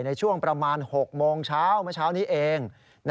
ในช่วงประมาณ๖โมงเช้าเมื่อเช้านี้เอง